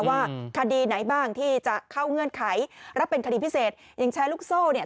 ว่าคดีไหนบ้างที่จะเข้าเงื่อนไขรับเป็นคดีพิเศษยังใช้ลูกโซ่เนี่ย